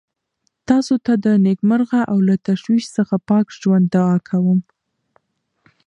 تاسو ته د نېکمرغه او له تشویش څخه پاک ژوند دعا کوم.